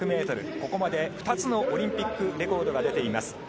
ここまで２つのオリンピックレコードが出ています。